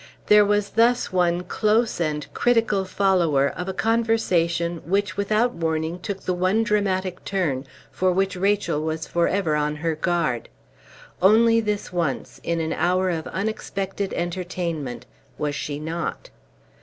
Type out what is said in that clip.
There was thus one close and critical follower of a conversation which without warning took the one dramatic turn for which Rachel was forever on her guard; only this once, in an hour of unexpected entertainment, was she not.